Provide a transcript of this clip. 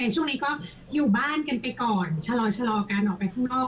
ช่วงนี้ก็อยู่บ้านกันไปก่อนชะลอการออกไปข้างนอก